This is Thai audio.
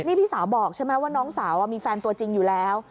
นี่พี่สาวบอกใช่ไหมว่าน้องสาวมีแฟนตัวจริงอยู่แล้ว